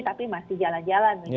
tapi masih jalan jalan